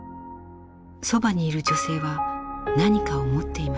そばにいる女性は何かを持っています。